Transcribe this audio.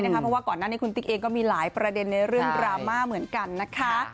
เพราะว่าก่อนหน้านี้คุณติ๊กเองก็มีหลายประเด็นในเรื่องดราม่าเหมือนกันนะคะ